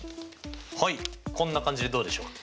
はいこんな感じでどうでしょうか？